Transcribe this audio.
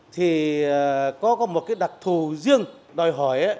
thì có một đặc thù riêng đòi hỏi